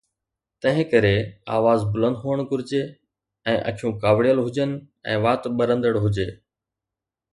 تنهن ڪري آواز بلند هئڻ گهرجي ۽ اکيون ڪاوڙيل هجن ۽ وات ٻرندڙ هجي.